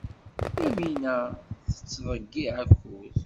Yamina tettḍeyyiɛ akud.